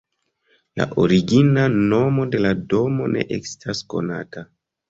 La origina nomo de la domo ne estas konata.